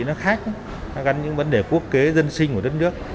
nó khác gắn với vấn đề quốc kế dân sinh của đất nước